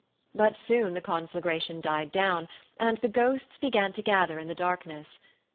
But soon the conflagration died down, and the ghosts began to gather in the darkness.